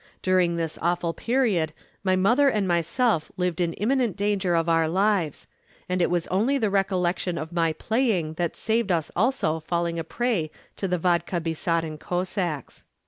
During this awful period my mother and myself lived in imminent danger of our lives, and it was only the recollection of my playing that saved us also falling a prey to the vodka besodden Cossacks.'"